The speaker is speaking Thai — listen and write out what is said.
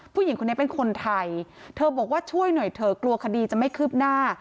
ผู้หญิงคนนี้เป็นคนไทยเธอบอกว่าช่วยหน่อยเถอะกลัวคดีจะไม่คืบหน้า